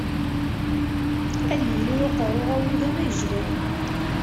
Ad yili uqerru awudam agejdan.